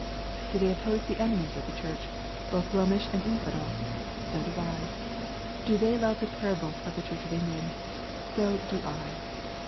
Do they oppose the enemies of the Church, both Romish and infidel ? So do I. Do they love the Prayer book of the Church of England 1 So do I.